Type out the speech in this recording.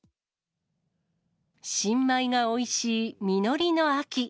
新米がおいしい実りの秋。